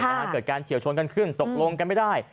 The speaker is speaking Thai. เกิดการเฉียวชนกันขึ้นตกลงกันไม่ได้